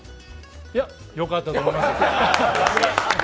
いや、よかったと思います。